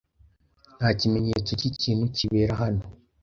Nta kimenyetso cyikintu kibera hano.